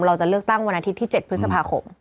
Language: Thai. เราจะเลือกตั้งวันอาทิตย์ที่๗พฤษภาคม